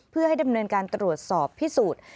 เพื่อให้ดำเนินการตรวจสอบพิสูจน์